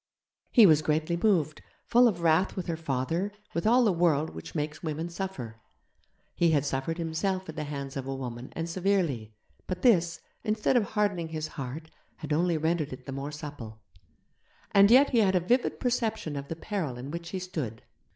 He was greatly moved, full of wrath with her father, with all the world which makes women suffer. He had suffered himself at the hands of a woman and severely, but this, instead of hardening his heart, had only rendered it the more supple. And yet he had a vivid perception of the peril in which he stood.